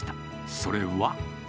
それは。